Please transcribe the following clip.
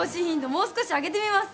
もう少し上げてみます！